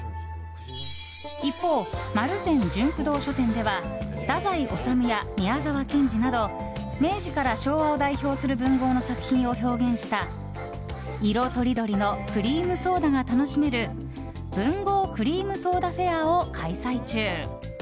一方、丸善ジュンク堂書店では太宰治や宮沢賢治など明治から昭和を代表する文豪の作品を表現した色とりどりのクリームソーダが楽しめる「文豪クリームソーダ」フェアを開催中。